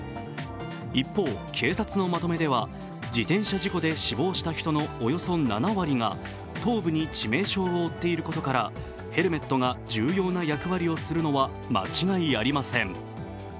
一方、警察のまとめでは自転車事故で死亡した人のおよそ７割が頭部に致命傷を負っていることから、ヘルメットが重要な役割をするのは間違いありません。